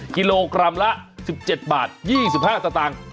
กิโลกรัมละ๑๗บาท๒๕สตางค์